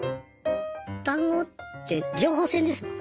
談合って情報戦ですもん。